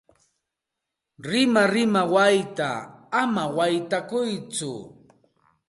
Rimarima wayta ama waytakuytsu.